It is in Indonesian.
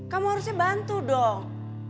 kamu harusnya bantu dong